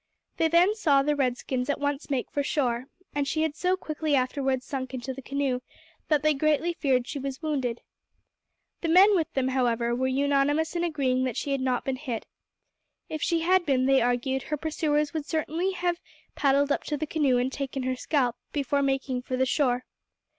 They then saw the red skins at once make for shore, and she had so quickly afterwards sunk into the canoe that they greatly feared she was wounded. The men with them, however, were unanimous in agreeing that she had not been hit. If she had been, they argued, her pursuers would certainly have paddled up to the canoe and taken her scalp before making for the shore.